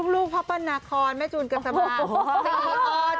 ลูกพัพพะนาคอนแม่จูนกันตะบาท